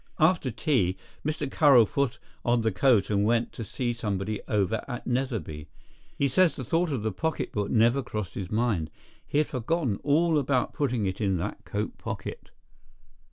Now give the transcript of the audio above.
After tea Mr. Carroll put on the coat and went to see somebody over at Netherby. He says the thought of the pocketbook never crossed his mind; he had forgotten all about putting it in that coat pocket.